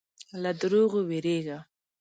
له دروغو وېرېږه.